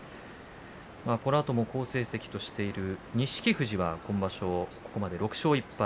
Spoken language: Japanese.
このあとも好成績としている錦富士もここまで６勝１敗